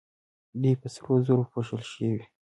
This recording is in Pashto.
دوی په سرو زرو پوښل شوې وې